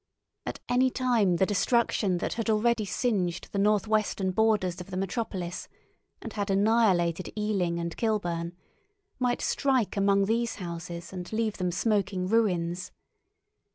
At any time the destruction that had already singed the northwestern borders of the metropolis, and had annihilated Ealing and Kilburn, might strike among these houses and leave them smoking ruins.